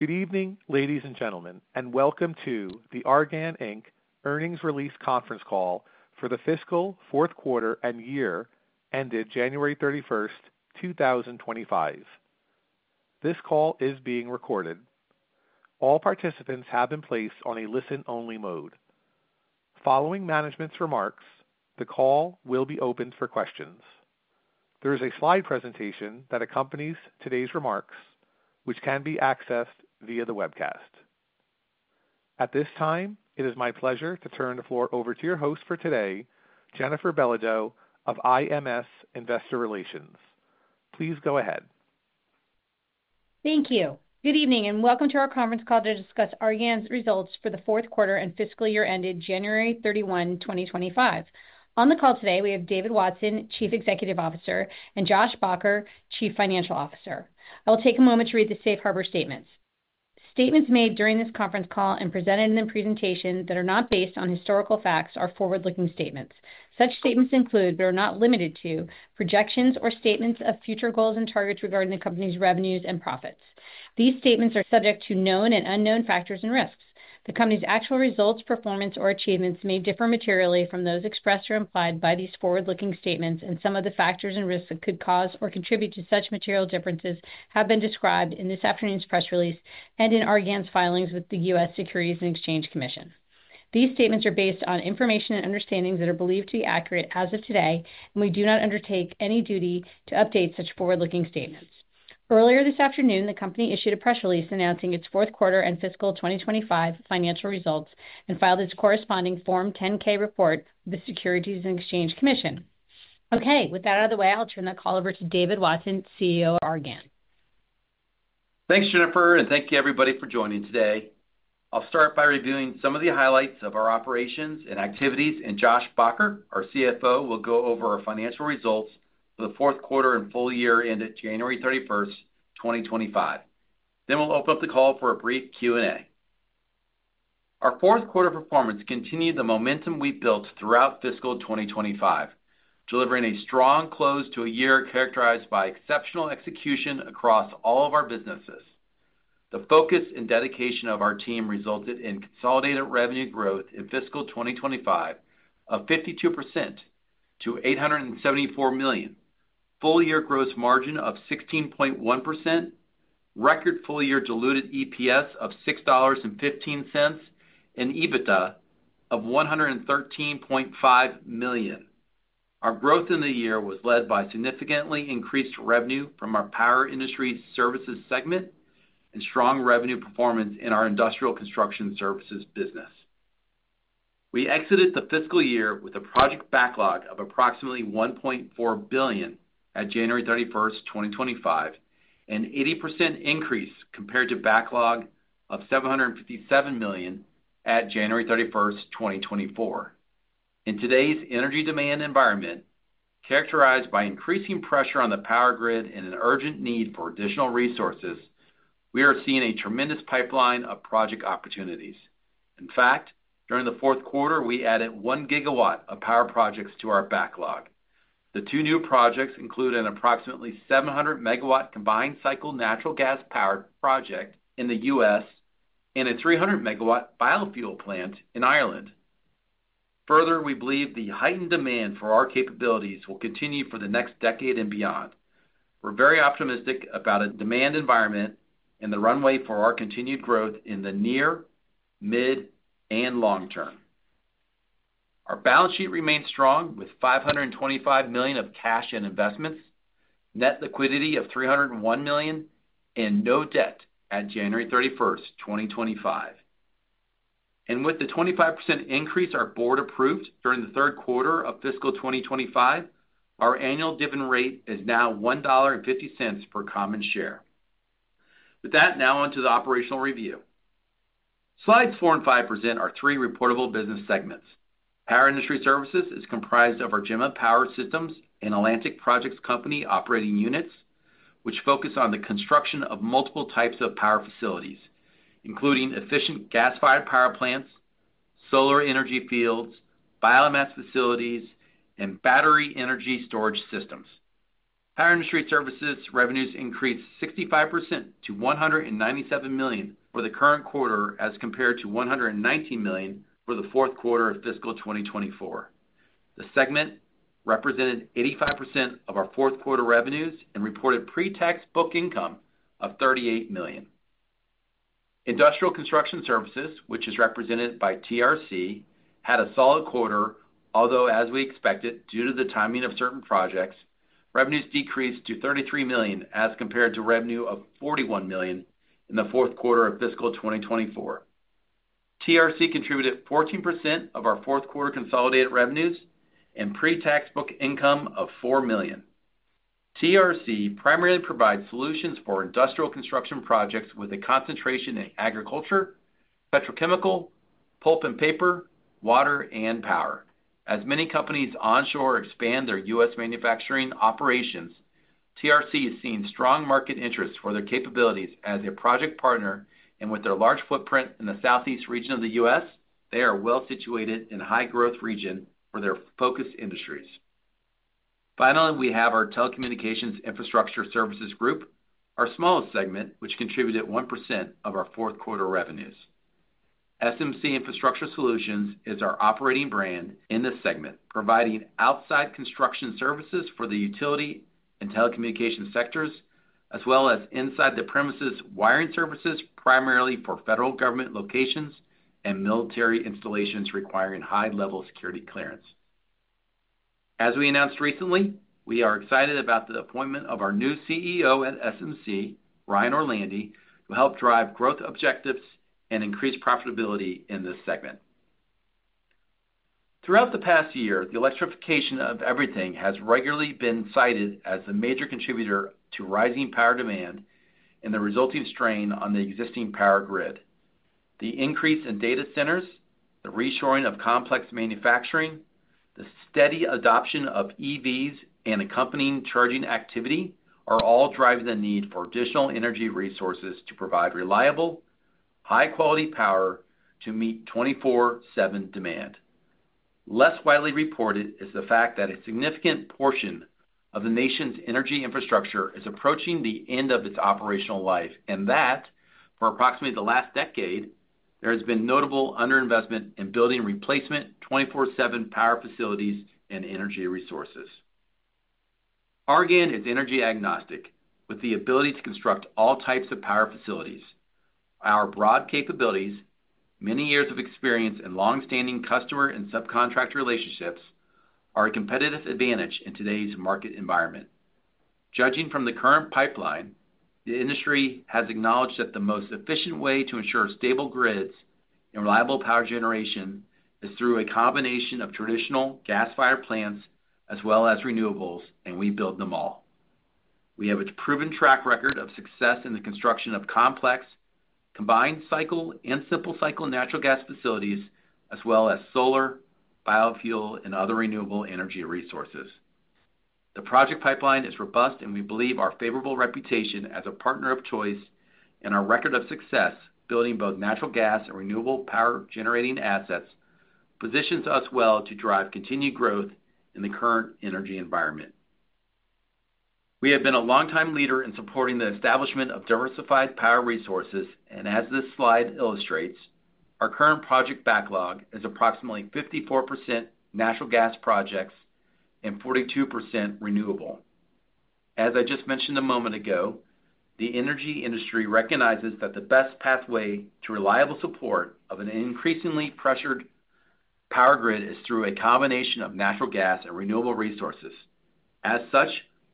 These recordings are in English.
Good evening, Ladies, and gentlemen, and welcome to the Argan Earnings Release Conference Call for the Fiscal Fourth Quarter and Year Ended January 31st, 2025. This call is being recorded. All participants have been placed on a listen-only mode. Following management's remarks, the call will be open for questions. There is a slide presentation that accompanies today's remarks, which can be accessed via the webcast. At this time, it is my pleasure to turn the floor over to your host for today, Jennifer Belodeau of IMS Investor Relations. Please go ahead. Thank you. Good evening and welcome to our conference call to discuss Argan's results for the fourth quarter and fiscal year ended January 31, 2025. On the call today, we have David Watson, Chief Executive Officer, and Josh Baugher, Chief Financial Officer. I will take a moment to read the Safe Harbor Statements. Statements made during this conference call and presented in the presentation that are not based on historical facts are forward-looking statements. Such statements include, but are not limited to, projections or statements of future goals and targets regarding the company's revenues and profits. These statements are subject to known and unknown factors and risks. The company's actual results, performance, or achievements may differ materially from those expressed or implied by these forward-looking statements, and some of the factors and risks that could cause or contribute to such material differences have been described in this afternoon's press release and in Argan's filings with the U.S. Securities and Exchange Commission. These statements are based on information and understandings that are believed to be accurate as of today, and we do not undertake any duty to update such forward-looking statements. Earlier this afternoon, the company issued a press release announcing its fourth quarter and fiscal 2025 financial results and filed its corresponding Form 10-K report with the U.S. Securities and Exchange Commission. Okay. With that out of the way, I'll turn the call over to David Watson, CEO of Argan. Thanks, Jennifer, and thank you, everybody, for joining today. I'll start by reviewing some of the highlights of our operations and activities, and Josh Baugher, our CFO, will go over our financial results for the fourth quarter and full year ended January 31st, 2025. We will open up the call for a brief Q&A. Our fourth quarter performance continued the momentum we built throughout fiscal 2025, delivering a strong close to a year characterized by exceptional execution across all of our businesses. The focus and dedication of our team resulted in consolidated revenue growth in fiscal 2025 of 52% to $874 million, full-year gross margin of 16.1%, record full-year diluted EPS of $6.15, and EBITDA of $113.5 million. Our growth in the year was led by significantly increased revenue from our power industry services segment and strong revenue performance in our industrial construction services business. We exited the fiscal year with a project backlog of approximately $1.4 billion at January 31st, 2025, an 80% increase compared to a backlog of $757 million at January 31st, 2024. In today's energy demand environment, characterized by increasing pressure on the power grid and an urgent need for additional resources, we are seeing a tremendous pipeline of project opportunities. In fact, during the fourth quarter, we added one gigawatt of power projects to our backlog. The two new projects include an approximately 700 MW combined cycle natural gas-powered project in the U.S. and a 300 MW biofuel plant in Ireland. Further, we believe the heightened demand for our capabilities will continue for the next decade and beyond. We're very optimistic about a demand environment and the runway for our continued growth in the near, mid, and long term. Our balance sheet remains strong with $525 million of cash and investments, net liquidity of $301 million, and no debt at January 31st, 2025. With the 25% increase our board approved during the third quarter of fiscal 2025, our annual dividend rate is now $1.50 per common share. With that, now on to the operational review. Slides four and five present our three reportable business segments. Power Industry Services is comprised of our Gemma Power Systems and Atlantic Projects Company operating units, which focus on the construction of multiple types of power facilities, including efficient gas-fired power plants, solar energy fields, biomass facilities, and battery energy storage systems. Power Industry Services revenues increased 65% to $197 million for the current quarter as compared to $119 million for the fourth quarter of fiscal 2024. The segment represented 85% of our fourth quarter revenues and reported pre-tax book income of $388million. Industrial Construction Services, which is represented by TRC, had a solid quarter, although, as we expected due to the timing of certain projects, revenues decreased to $33 million as compared to revenue of $41 million in the fourth quarter of fiscal 2024. TRC contributed 14% of our fourth quarter consolidated revenues and pre-tax book income of $4 million. TRC primarily provides solutions for industrial construction projects with a concentration in agriculture, petrochemical, pulp and paper, water, and power. As many companies onshore expand their U.S. manufacturing operations, TRC is seeing strong market interest for their capabilities as a project partner, and with their large footprint in the southeast region of the U.S., they are well situated in a high-growth region for their focused industries. Finally, we have our Telecommunications Infrastructure Services Group, our smallest segment, which contributed 1% of our fourth quarter revenues. SMC Infrastructure Solutions is our operating brand in this segment, providing outside construction services for the utility and telecommunication sectors, as well as inside the premises wiring services primarily for federal government locations and military installations requiring high-level security clearance. As we announced recently, we are excited about the appointment of our new CEO at SMC, Ryan Orlandi, who helped drive growth objectives and increased profitability in this segment. Throughout the past year, the electrification of everything has regularly been cited as a major contributor to rising power demand and the resulting strain on the existing power grid. The increase in data centers, the reshoring of complex manufacturing, the steady adoption of EVs, and accompanying charging activity are all driving the need for additional energy resources to provide reliable, high-quality power to meet 24/7 demand. Less widely reported is the fact that a significant portion of the nation's energy infrastructure is approaching the end of its operational life, and that for approximately the last decade, there has been notable underinvestment in building replacement 24/7 power facilities and energy resources. Argan is energy agnostic, with the ability to construct all types of power facilities. Our broad capabilities, many years of experience, and long-standing customer and subcontract relationships are a competitive advantage in today's market environment. Judging from the current pipeline, the industry has acknowledged that the most efficient way to ensure stable grids and reliable power generation is through a combination of traditional gas-fired plants as well as renewables, and we build them all. We have a proven track record of success in the construction of complex combined cycle and simple cycle natural gas facilities, as well as solar, biofuel, and other renewable energy resources. The project pipeline is robust, and we believe our favorable reputation as a partner of choice and our record of success building both natural gas and renewable power-generating assets positions us well to drive continued growth in the current energy environment. We have been a longtime leader in supporting the establishment of diversified power resources, and as this slide illustrates, our current project backlog is approximately 54% natural gas projects and 42% renewable. As I just mentioned a moment ago, the energy industry recognizes that the best pathway to reliable support of an increasingly pressured power grid is through a combination of natural gas and renewable resources. As such,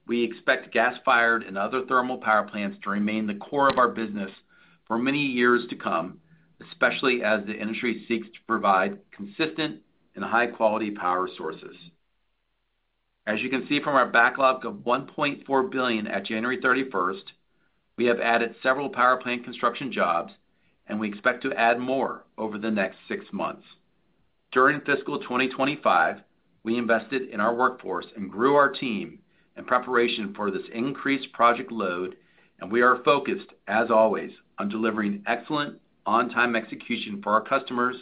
we expect gas-fired and other thermal power plants to remain the core of our business for many years to come, especially as the industry seeks to provide consistent and high-quality power sources. As you can see from our backlog of $1.4 billion at January 31st, we have added several power plant construction jobs, and we expect to add more over the next six months. During fiscal 2025, we invested in our workforce and grew our team in preparation for this increased project load, and we are focused, as always, on delivering excellent on-time execution for our customers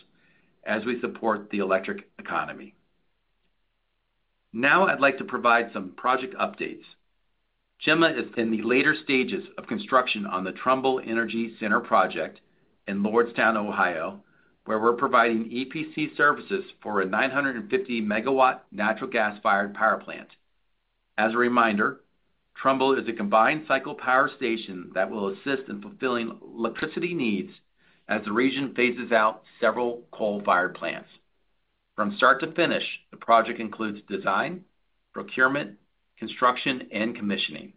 as we support the electric economy. Now, I'd like to provide some project updates. Gemma is in the later stages of construction on the Trumbull Energy Center project in Lordstown, Ohio, where we're providing EPC services for a 950-megawatt natural gas-fired power plant. As a reminder, Trumbull is a combined cycle power station that will assist in fulfilling electricity needs as the region phases out several coal-fired plants. From start to finish, the project includes design, procurement, construction, and commissioning.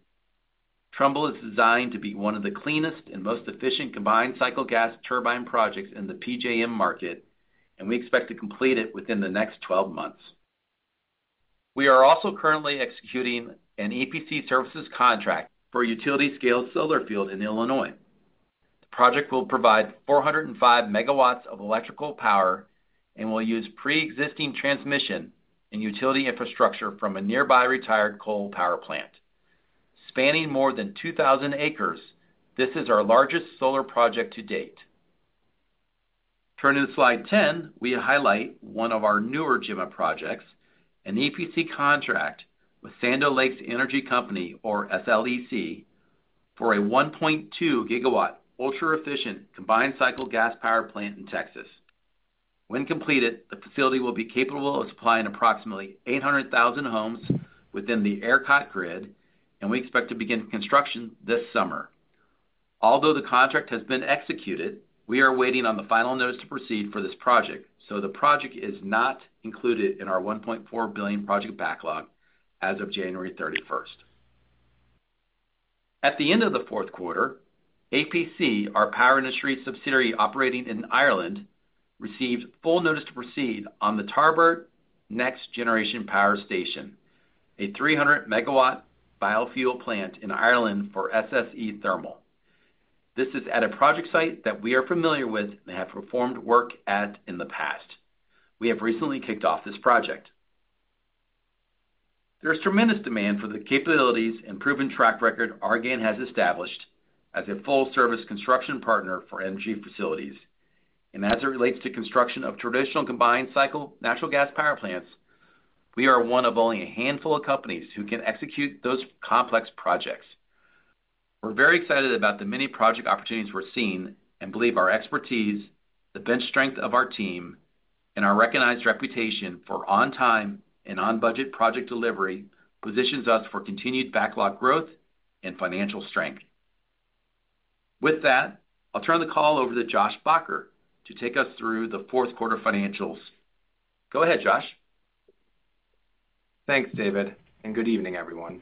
Trumbull is designed to be one of the cleanest and most efficient combined cycle gas turbine projects in the PJM market, and we expect to complete it within the next 12 months. We are also currently executing an EPC services contract for a utility-scale solar field in Illinois. The project will provide 405 MW of electrical power and will use pre-existing transmission and utility infrastructure from a nearby retired coal power plant. Spanning more than 2,000 acres, this is our largest solar project to date. Turning to slide 10, we highlight one of our newer Gemma projects, an EPC contract with Sandow Lakes Energy Company, or SLEC, for a 1.2 GW ultra-efficient combined cycle gas power plant in Texas. When completed, the facility will be capable of supplying approximately 800,000 homes within the ERCOT grid, and we expect to begin construction this summer. Although the contract has been executed, we are waiting on the final notice to proceed for this project, so the project is not included in our $1.4 billion project backlog as of January 31st. At the end of the fourth quarter, APC, our power industry subsidiary operating in Ireland, received full notice to proceed on the Tarbert Next Generation Power Station, a 300 MW biofuel plant in Ireland for SSE Thermal. This is at a project site that we are familiar with and have performed work at in the past. We have recently kicked off this project. There is tremendous demand for the capabilities and proven track record Argan has established as a full-service construction partner for energy facilities. As it relates to construction of traditional combined cycle natural gas power plants, we are one of only a handful of companies who can execute those complex projects. We're very excited about the many project opportunities we're seeing and believe our expertise, the bench strength of our team, and our recognized reputation for on-time and on-budget project delivery positions us for continued backlog growth and financial strength. With that, I'll turn the call over to Josh Baugher to take us through the fourth quarter financials. Go ahead, Josh. Thanks, David, and good evening, everyone.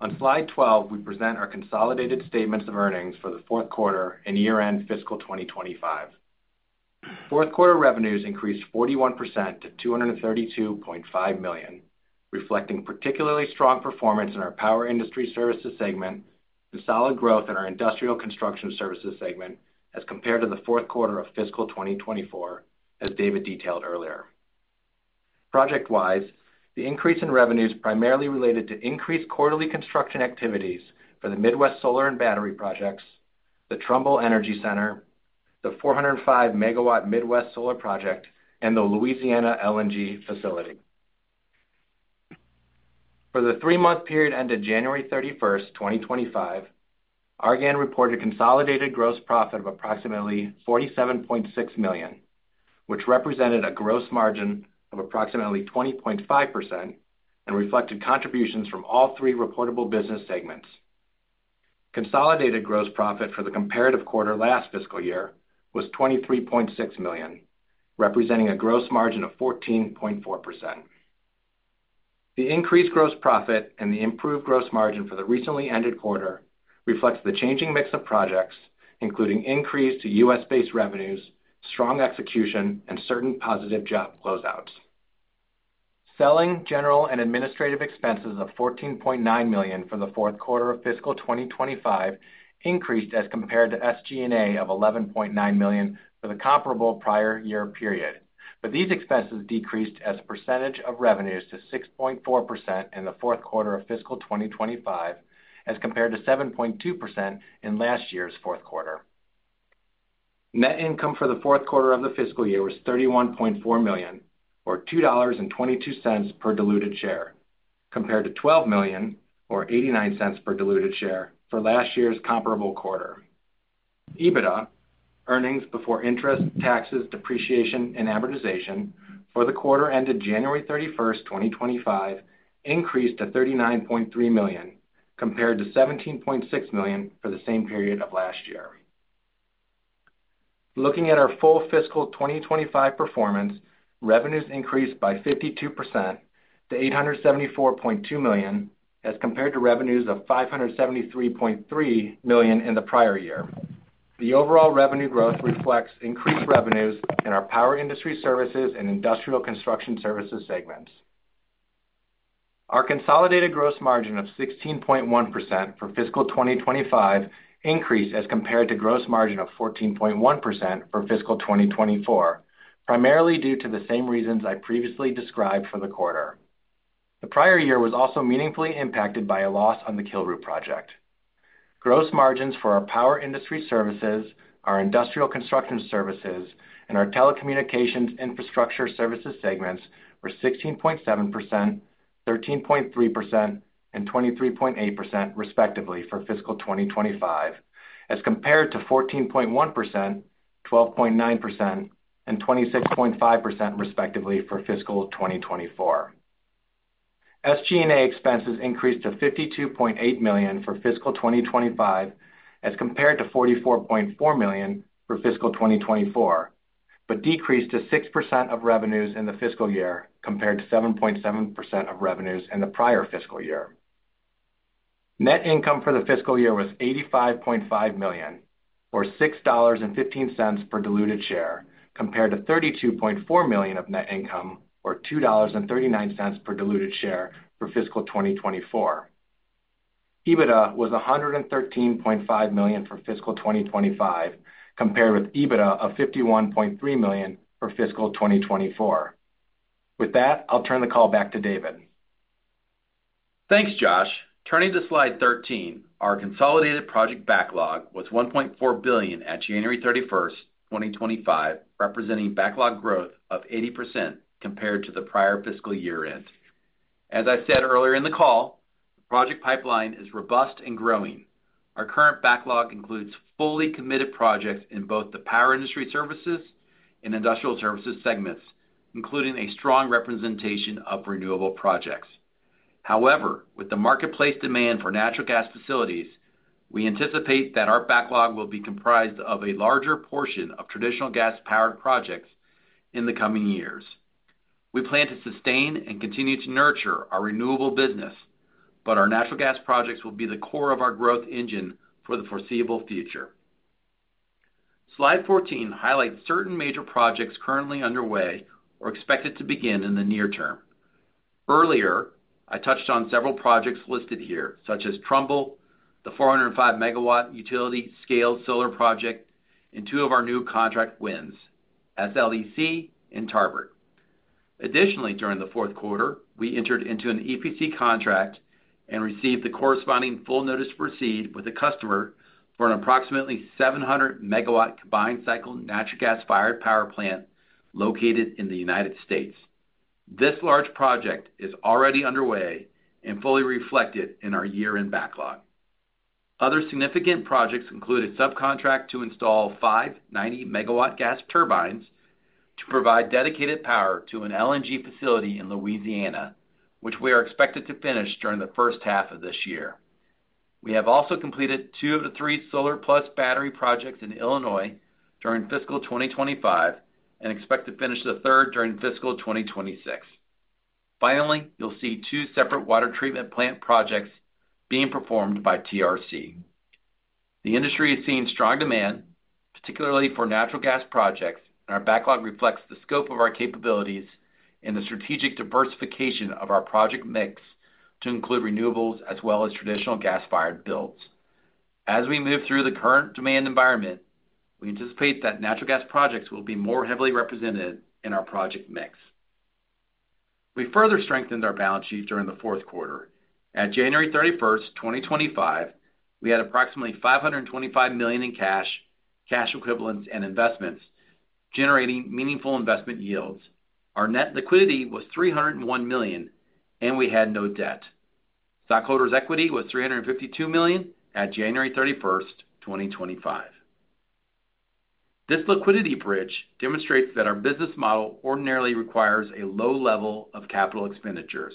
On slide 12, we present our consolidated statements of earnings for the fourth quarter and year-end fiscal 2025. Fourth quarter revenues increased 41% to $232.5 million, reflecting particularly strong performance in our power industry services segment and solid growth in our industrial construction services segment as compared to the fourth quarter of fiscal 2024, as David detailed earlier. Project-wise, the increase in revenues primarily related to increased quarterly construction activities for the Midwest Solar and Battery projects, the Trumbull Energy Center, the 405 MW Midwest Solar project, and the Louisiana LNG facility. For the three-month period ended January 31st, 2025, Argan reported consolidated gross profit of approximately $47.6 million, which represented a gross margin of approximately 20.5% and reflected contributions from all three reportable business segments. Consolidated gross profit for the comparative quarter last fiscal year was $23.6 million, representing a gross margin of 14.4%. The increased gross profit and the improved gross margin for the recently ended quarter reflects the changing mix of projects, including increased U.S.-based revenues, strong execution, and certain positive job closeouts. Selling, general, and administrative expenses of $14.9 million for the fourth quarter of fiscal 2025 increased as compared to SG&A of $11.9 million for the comparable prior year period. These expenses decreased as a percentage of revenues to 6.4% in the fourth quarter of fiscal 2025 as compared to 7.2% in last year's fourth quarter. Net income for the fourth quarter of the fiscal year was $31.4 million, or $2.22 per diluted share, compared to $12.89 per diluted share for last year's comparable quarter. EBITDA, earnings before interest, taxes, depreciation, and amortization for the quarter ended January 31st, 2025, increased to $39.3 million, compared to $17.6 million for the same period of last year. Looking at our full fiscal 2025 performance, revenues increased by 52% to $874.2 million as compared to revenues of $573.3 million in the prior year. The overall revenue growth reflects increased revenues in our power industry services and industrial construction services segments. Our consolidated gross margin of 16.1% for fiscal 2025 increased as compared to gross margin of 14.1% for fiscal 2024, primarily due to the same reasons I previously described for the quarter. The prior year was also meaningfully impacted by a loss on the Kilroot project. Gross margins for our power industry services, our industrial construction services, and our telecommunications infrastructure services segments were 16.7%, 13.3%, and 23.8%, respectively, for fiscal 2025, as compared to 14.1%, 12.9%, and 26.5%, respectively, for fiscal 2024. SG&A expenses increased to $52.8 million for fiscal 2025 as compared to $44.4 million for fiscal 2024, but decreased to 6% of revenues in the fiscal year compared to 7.7% of revenues in the prior fiscal year. Net income for the fiscal year was $85.5 million, or $6.15 per diluted share, compared to $32.4 million of net income, or $2.39 per diluted share for fiscal 2024. EBITDA was $113.5 million for fiscal 2025, compared with EBITDA of $51.3 million for fiscal 2024. With that, I'll turn the call back to David. Thanks, Josh. Turning to slide 13, our consolidated project backlog was $1.4 billion at January 31st, 2025, representing backlog growth of 80% compared to the prior fiscal year end. As I said earlier in the call, the project pipeline is robust and growing. Our current backlog includes fully committed projects in both the power industry services and industrial services segments, including a strong representation of renewable projects. However, with the marketplace demand for natural gas facilities, we anticipate that our backlog will be comprised of a larger portion of traditional gas-powered projects in the coming years. We plan to sustain and continue to nurture our renewable business, but our natural gas projects will be the core of our growth engine for the foreseeable future. Slide 14 highlights certain major projects currently underway or expected to begin in the near term. Earlier, I touched on several projects listed here, such as Trumbull, the 405 MW utility-scale solar project, and two of our new contract wins, SLEC and Tarbert. Additionally, during the fourth quarter, we entered into an EPC contract and received the corresponding full notice to proceed with a customer for an approximately 700 MW combined cycle natural gas-fired power plant located in the U.S. This large project is already underway and fully reflected in our year-end backlog. Other significant projects included subcontract to install five 90 MW gas turbines to provide dedicated power to an LNG facility in Louisiana, which we are expected to finish during the first half of this year. We have also completed two of the three Solar Plus Battery projects in Illinois during fiscal 2025 and expect to finish the third during fiscal 2026. Finally, you'll see two separate water treatment plant projects being performed by TRC. The industry is seeing strong demand, particularly for natural gas projects, and our backlog reflects the scope of our capabilities and the strategic diversification of our project mix to include renewables as well as traditional gas-fired builds. As we move through the current demand environment, we anticipate that natural gas projects will be more heavily represented in our project mix. We further strengthened our balance sheet during the fourth quarter. At January 31st, 2025, we had approximately $525 million in cash, cash equivalents, and investments, generating meaningful investment yields. Our net liquidity was $301 million, and we had no debt. Stockholders' equity was $352 million at January 31st, 2025. This liquidity bridge demonstrates that our business model ordinarily requires a low level of capital expenditures.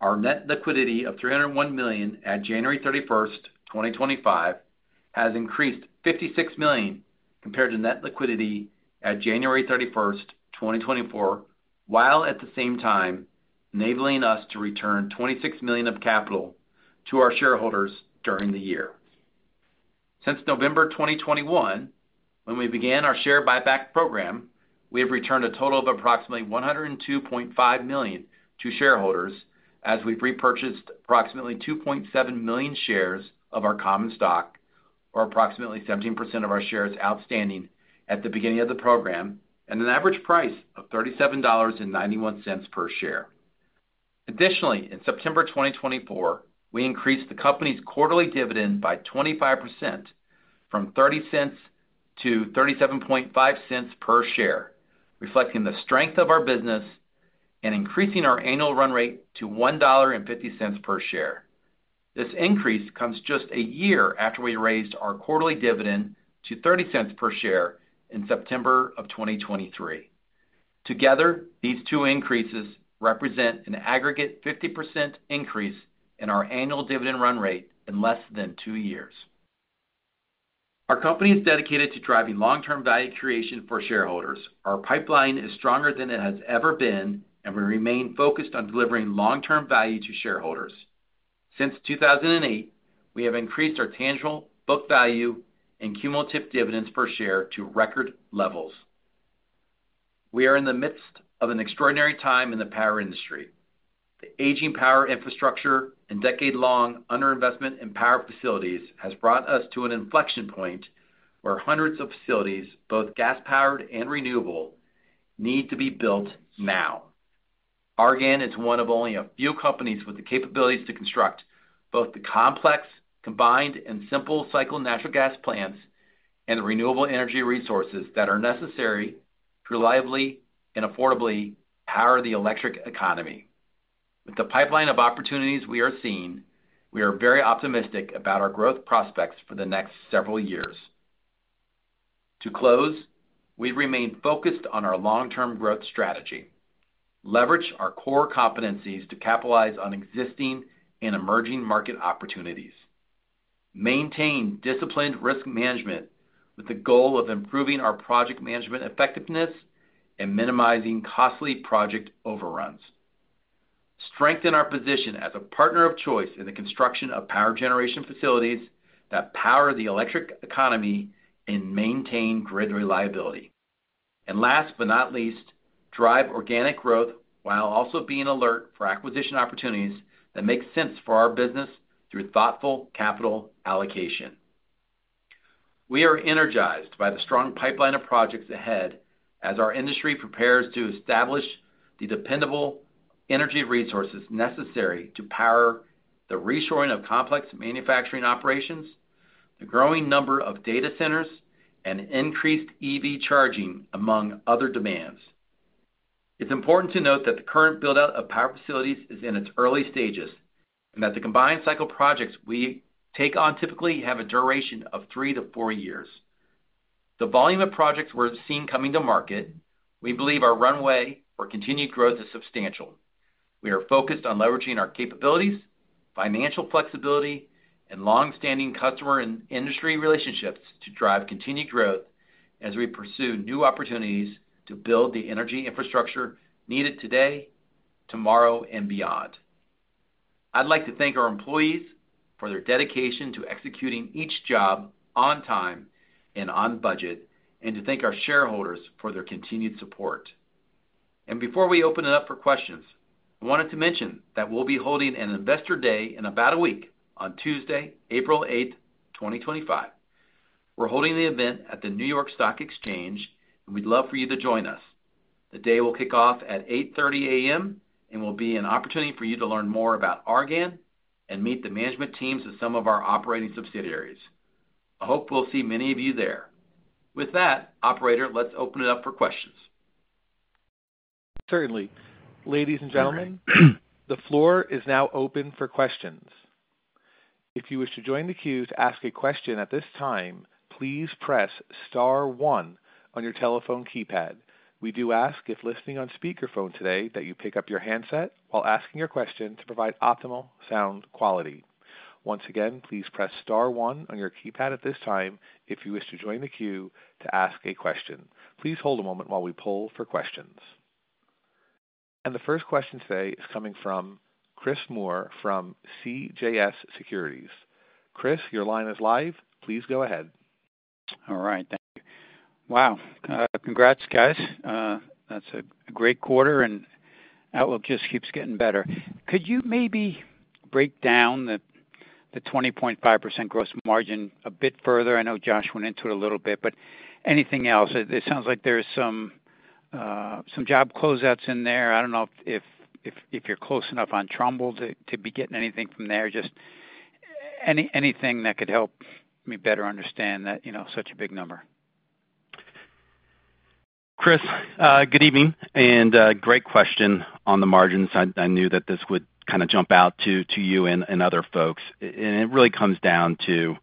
Our net liquidity of $301 million at January 31st, 2025, has increased $56 million compared to net liquidity at January 31st, 2024, while at the same time enabling us to return $26 million of capital to our shareholders during the year. Since November 2021, when we began our share buyback program, we have returned a total of approximately $102.5 million to shareholders as we've repurchased approximately 2.7 million shares of our common stock, or approximately 17% of our shares outstanding at the beginning of the program, at an average price of $37.91 per share. Additionally, in September 2024, we increased the company's quarterly dividend by 25% from $0.30 to $0.375 per share, reflecting the strength of our business and increasing our annual run rate to $1.50 per share. This increase comes just a year after we raised our quarterly dividend to $0.30 per share in September of 2023. Together, these two increases represent an aggregate 50% increase in our annual dividend run rate in less than two years. Our company is dedicated to driving long-term value creation for shareholders. Our pipeline is stronger than it has ever been, and we remain focused on delivering long-term value to shareholders. Since 2008, we have increased our tangible book value and cumulative dividends per share to record levels. We are in the midst of an extraordinary time in the power industry. The aging power infrastructure and decade-long underinvestment in power facilities has brought us to an inflection point where hundreds of facilities, both gas-powered and renewable, need to be built now. Argan is one of only a few companies with the capabilities to construct both the complex, combined, and simple cycle natural gas plants and the renewable energy resources that are necessary to reliably and affordably power the electric economy. With the pipeline of opportunities we are seeing, we are very optimistic about our growth prospects for the next several years. To close, we remain focused on our long-term growth strategy. Leverage our core competencies to capitalize on existing and emerging market opportunities. Maintain disciplined risk management with the goal of improving our project management effectiveness and minimizing costly project overruns. Strengthen our position as a partner of choice in the construction of power generation facilities that power the electric economy and maintain grid reliability. Last but not least, drive organic growth while also being alert for acquisition opportunities that make sense for our business through thoughtful capital allocation. We are energized by the strong pipeline of projects ahead as our industry prepares to establish the dependable energy resources necessary to power the reshoring of complex manufacturing operations, the growing number of data centers, and increased EV charging, among other demands. It's important to note that the current buildout of power facilities is in its early stages and that the combined cycle projects we take on typically have a duration of three to four years. The volume of projects we're seeing coming to market, we believe our runway for continued growth is substantial. We are focused on leveraging our capabilities, financial flexibility, and long-standing customer and industry relationships to drive continued growth as we pursue new opportunities to build the energy infrastructure needed today, tomorrow, and beyond. I'd like to thank our employees for their dedication to executing each job on time and on budget, and to thank our shareholders for their continued support. Before we open it up for questions, I wanted to mention that we'll be holding an investor day in about a week on Tuesday, April 8th, 2025. We're holding the event at the New York Stock Exchange, and we'd love for you to join us. The day will kick off at 8:30 A.M., and will be an opportunity for you to learn more about Argan and meet the management teams of some of our operating subsidiaries. I hope we'll see many of you there. With that, Operator, let's open it up for questions. Certainly. Ladies, and gentlemen, the floor is now open for questions. If you wish to join the queue to ask a question at this time, please press star one on your telephone keypad. We do ask, if listening on speakerphone today, that you pick up your handset while asking your question to provide optimal sound quality. Once again, please press star one on your keypad at this time if you wish to join the queue to ask a question. Please hold a moment while we pull for questions. The first question today is coming from Chris Moore from CJS Securities. Chris, your line is live. Please go ahead. All right. Thank you. Wow. Congrats, guys. That's a great quarter, and that will just keep getting better. Could you maybe break down the 20.5% gross margin a bit further? I know Josh went into it a little bit, but anything else? It sounds like there's some job closeouts in there. I don't know if you're close enough on Trumbull to be getting anything from there. Just anything that could help me better understand that such a big number. Chris, good evening and great question on the margins. I knew that this would kind of jump out to you and other folks. It really comes down to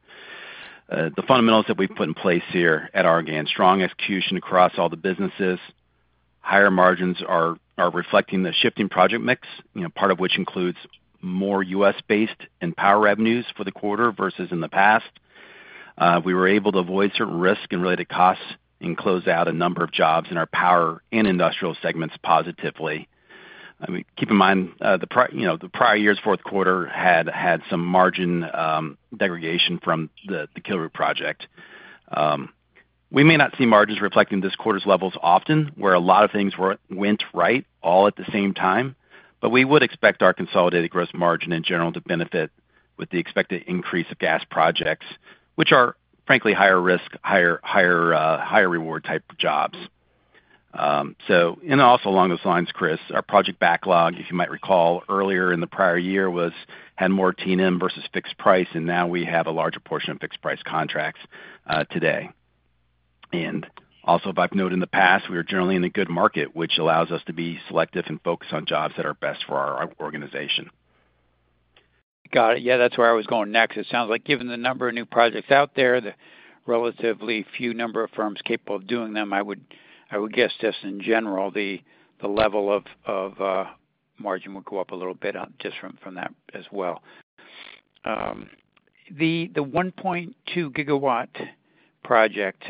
the fundamentals that we've put in place here at Argan. Strong execution across all the businesses. Higher margins are reflecting the shifting project mix, part of which includes more U.S.-based and power revenues for the quarter versus in the past. We were able to avoid certain risk and related costs and close out a number of jobs in our power and industrial segments positively. Keep in mind, the prior year's fourth quarter had some margin degradation from the Kilroot project. We may not see margins reflecting this quarter's levels often, where a lot of things went right all at the same time, but we would expect our consolidated gross margin in general to benefit with the expected increase of gas projects, which are, frankly, higher risk, higher reward type jobs. Also along those lines, Chris, our project backlog, if you might recall, earlier in the prior year had more T&M versus fixed price, and now we have a larger portion of fixed price contracts today. Also, I've noted in the past, we were generally in a good market, which allows us to be selective and focus on jobs that are best for our organization. Got it. Yeah, that's where I was going next. It sounds like given the number of new projects out there, the relatively few number of firms capable of doing them, I would guess just in general, the level of margin would go up a little bit just from that as well. The 1.2 GW project,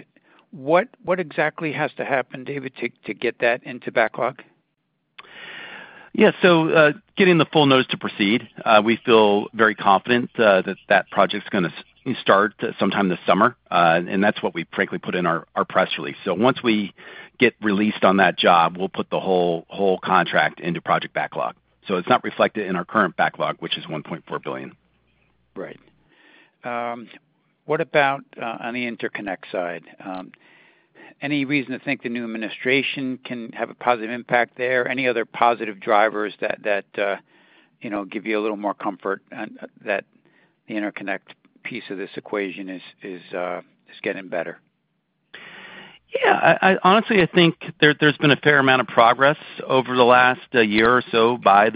what exactly has to happen, David, to get that into backlog? Yeah. Getting the full notice to proceed, we feel very confident that that project's going to start sometime this summer, and that's what we frankly put in our press release. Once we get released on that job, we'll put the whole contract into project backlog. It's not reflected in our current backlog, which is $1.4 billion. Right. What about on the interconnect side? Any reason to think the new administration can have a positive impact there? Any other positive drivers that give you a little more comfort that the interconnect piece of this equation is getting better? Yeah. Honestly, I think there's been a fair amount of progress over the last year or so by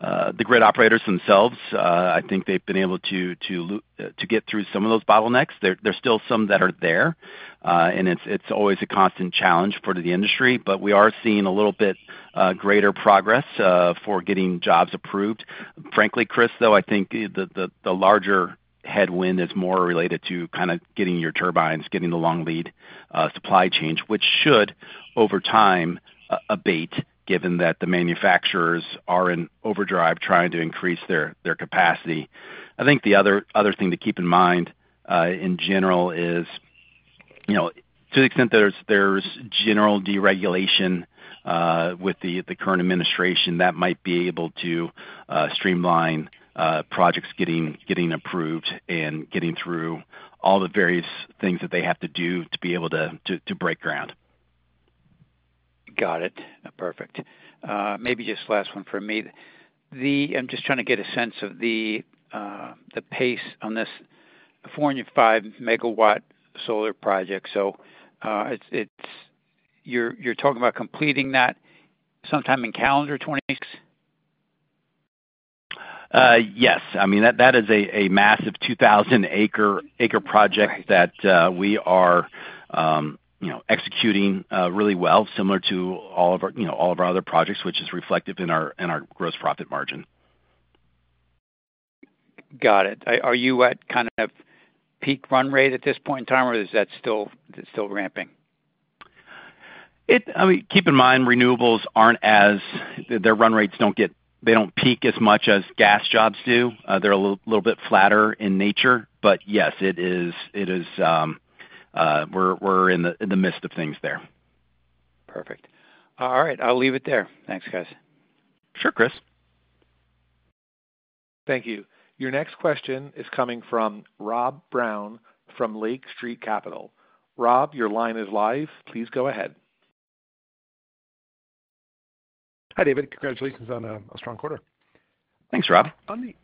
the grid operators themselves. I think they've been able to get through some of those bottlenecks. There's still some that are there, and it's always a constant challenge for the industry, but we are seeing a little bit greater progress for getting jobs approved. Frankly, Chris, though, I think the larger headwind is more related to kind of getting your turbines, getting the long lead supply chain, which should, over time, abate, given that the manufacturers are in overdrive trying to increase their capacity. I think the other thing to keep in mind in general is, to the extent there's general deregulation with the current administration, that might be able to streamline projects getting approved and getting through all the various things that they have to do to be able to break ground. Got it. Perfect. Maybe just last one for me. I'm just trying to get a sense of the pace on this 405 MW Solar project. So you're talking about completing that sometime in calendar 2026? Yes. I mean, that is a massive 2,000-acre project that we are executing really well, similar to all of our other projects, which is reflective in our gross profit margin. Got it. Are you at kind of peak run rate at this point in time, or is that still ramping? I mean, keep in mind, renewables aren't as their run rates don't peak as much as gas jobs do. They're a little bit flatter in nature. Yes, it is, we're in the midst of things there. Perfect. All right. I'll leave it there. Thanks, guys. Sure, Chris. Thank you. Your next question is coming from Rob Brown from Lake Street Capital. Rob, your line is live. Please go ahead. Hi, David. Congratulations on a strong quarter. Thanks, Rob. On the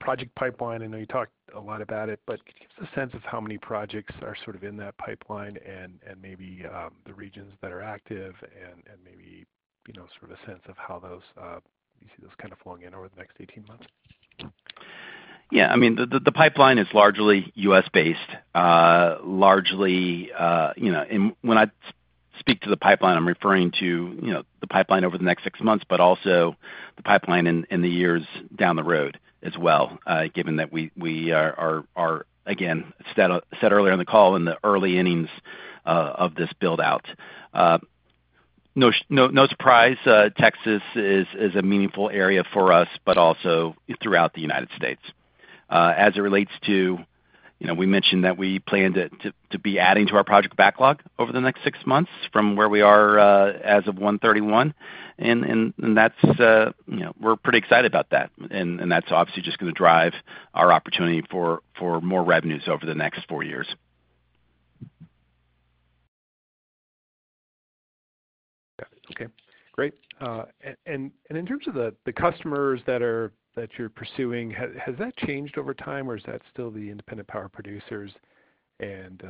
project pipeline, I know you talked a lot about it, but give us a sense of how many projects are sort of in that pipeline and maybe the regions that are active and maybe sort of a sense of how those you see those kind of flowing in over the next 18 months? Yeah. I mean, the pipeline is largely U.S.-based, largely. When I speak to the pipeline, I'm referring to the pipeline over the next six months, but also the pipeline in the years down the road as well, given that we are, again, said earlier in the call in the early innings of this buildout. No surprise, Texas is a meaningful area for us, but also throughout the U.S. As it relates to we mentioned that we plan to be adding to our project backlog over the next six months from where we are as of January 31. We're pretty excited about that. That's obviously just going to drive our opportunity for more revenues over the next four years. Got it. Okay. Great. In terms of the customers that you're pursuing, has that changed over time, or is that still the independent power producers and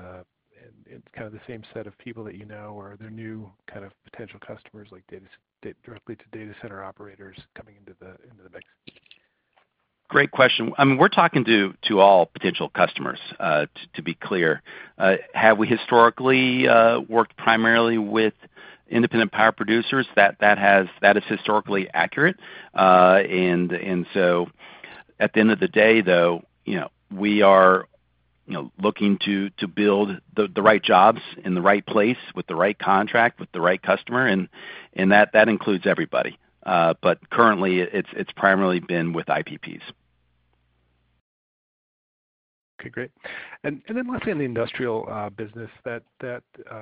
kind of the same set of people that you know, or are there new kind of potential customers directly to data center operators coming into the mix? Great question. I mean, we're talking to all potential customers, to be clear. Have we historically worked primarily with independent power producers? That is historically accurate. At the end of the day, though, we are looking to build the right jobs in the right place with the right contract with the right customer. That includes everybody. Currently, it's primarily been with IPPs. Okay. Great. Lastly, on the industrial business, that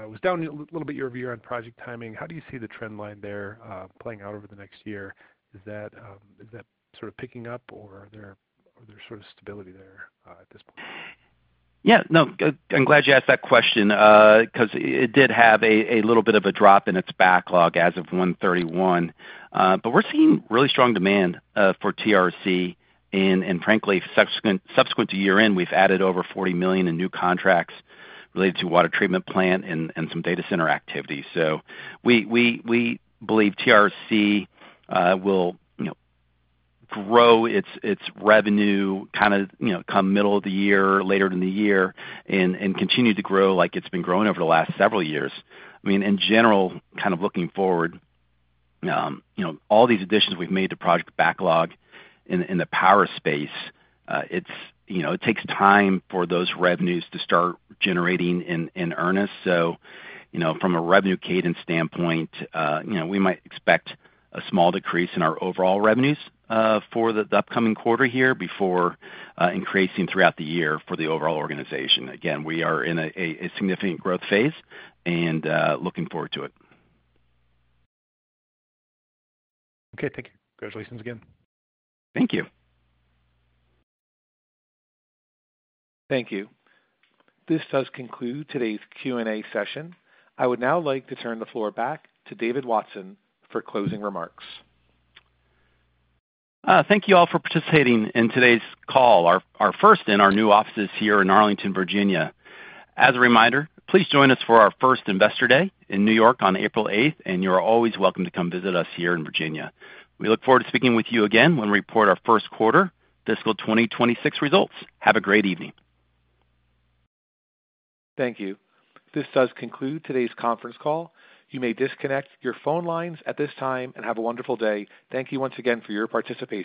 was down a little bit year-over-year on project timing. How do you see the trend line there playing out over the next year? Is that sort of picking up, or are there sort of stability there at this point? Yeah. No, I'm glad you asked that question because it did have a little bit of a drop in its backlog as of January 31. But we're seeing really strong demand for TRC. And frankly, subsequent to year-end, we've added over $40 million in new contracts related to water treatment plant and some data center activity. We believe TRC will grow its revenue kind of come middle of the year, later in the year, and continue to grow like it's been growing over the last several years. I mean, in general, kind of looking forward, all these additions we've made to project backlog in the power space, it takes time for those revenues to start generating in earnest. From a revenue cadence standpoint, we might expect a small decrease in our overall revenues for the upcoming quarter here before increasing throughout the year for the overall organization. Again, we are in a significant growth phase and looking forward to it. Okay. Thank you. Congratulations again. Thank you. Thank you. This does conclude today's Q&A session. I would now like to turn the floor back to David Watson for closing remarks. Thank you all for participating in today's call, our first in our new offices here in Arlington, Virginia. As a reminder, please join us for our first investor day in New York on April 8th, and you're always welcome to come visit us here in Virginia. We look forward to speaking with you again when we report our first quarter fiscal 2026 results. Have a great evening. Thank you. This does conclude today's conference call. You may disconnect your phone lines at this time and have a wonderful day. Thank you once again for your participation.